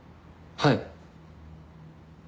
はい。